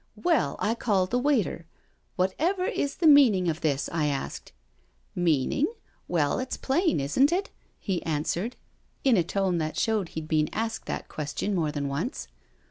Well, I called the waiter. ' What ever is the meaning of this?' I asked. ' Meaning? Well, it's plain, isn't it?' he answered in a tone that 144 NO SURRENDER showed he'd been asked that question more than once.